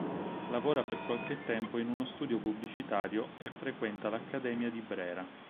Lavora per qualche tempo in uno studio pubblicitario e frequenta l'Accademia di Brera.